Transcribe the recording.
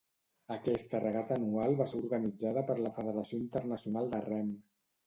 Aquesta regata anual va ser organitzada per la Federació Internacional de Rem.